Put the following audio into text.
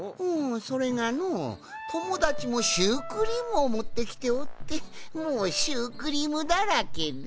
それがのともだちもシュークリームをもってきておってもうシュークリームだらけで。